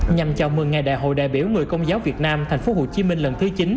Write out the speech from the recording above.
nhằm chào mừng ngày đại hội đại biểu người công giáo việt nam tp hcm lần thứ chín